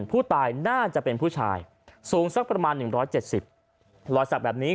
ผู้ตายน่าจะเป็นผู้ชายสูงสักประมาณ๑๗๐รอยสักแบบนี้